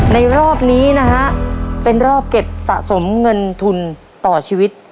รอบนี้นะฮะเป็นรอบเก็บสะสมเงินทุนต่อชีวิต